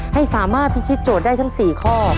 ให้สามารถพิธีโจทย์ได้ทั้ง๔ข้อ